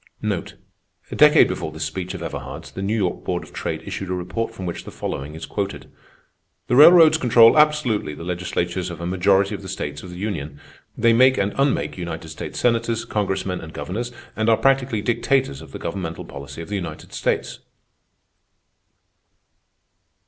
A decade before this speech of Everhard's, the New York Board of Trade issued a report from which the following is quoted: "_The railroads control absolutely the legislatures of a majority of the states of the Union; they make and unmake United States Senators, congressmen, and governors, and are practically dictators of the governmental policy of the United States.